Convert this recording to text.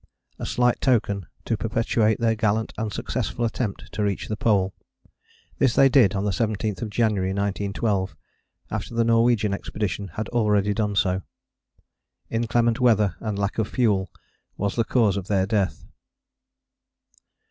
A slight token to perpetuate their gallant and successful attempt to reach the Pole. This they did on the 17th January 1912 after the Norwegian expedition had already done so. Inclement weather and lack of fuel was the cause of their death.